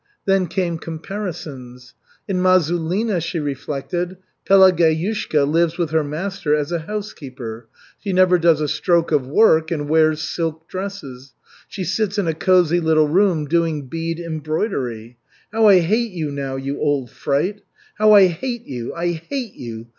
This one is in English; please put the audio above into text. Then came comparisons. "In Mazulina," she reflected, "Pelageyushka lives with her master as a housekeeper. She never does a stroke of work, and wears silk dresses. She sits in a cosy little room doing bead embroidery. How I hate you now, you old fright; How I hate you, I hate you!"